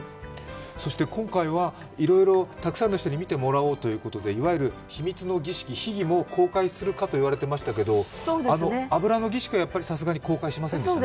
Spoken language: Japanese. そして今回はいろいろたくさんの人に見てもらおうということでいわゆる秘密の儀式、秘儀も公開するかと言われていましたけど油の儀式はさすがに公開しませんでしたね。